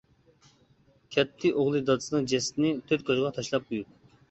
كەتتى ئوغلى دادىسىنىڭ جەسىتىنى تۆت كوچىغا تاشلاپ قويۇپ.